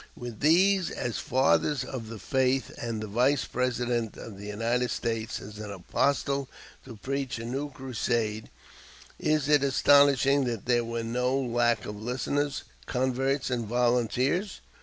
With these as fathers of the faith and the Vice President of the United States as an apostle to preach a new crusade, is it astonishing that there was no lack of listeners, converts, and volunteers?